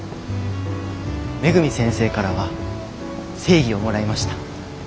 恵先生からは正義をもらいました。